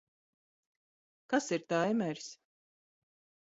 Kas ir taimeris?